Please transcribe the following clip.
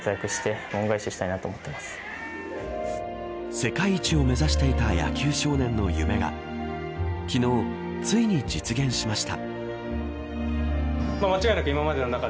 世界一を目指していた野球少年の夢が昨日ついに実現しました。